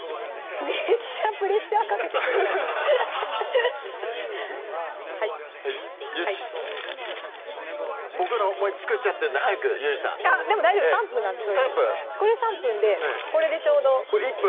めっちゃプレッシャーかけてくるはいボクの作っちゃってるんで早くゆりさんでも大丈夫３分なんでそれこれ３分でこれでちょうどこれ１分？